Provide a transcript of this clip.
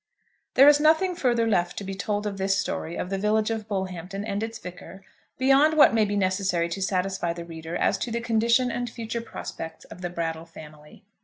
There is nothing further left to be told of this story of the village of Bullhampton and its Vicar beyond what may be necessary to satisfy the reader as to the condition and future prospects of the Brattle family.